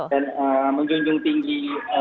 dan menjunjung tinggi